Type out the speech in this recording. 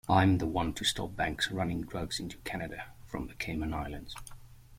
I'm the one to stop banks running drugs into Canada from the Cayman Islands.